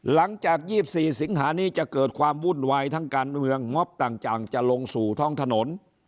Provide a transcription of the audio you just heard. หลังจาก๒๔สิงหานี้จะเกิดความวุ่นวายทั้งการเมืองงบต่างจะลงสู่ท้องถนน